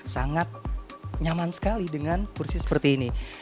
sangat nyaman sekali dengan kursi seperti ini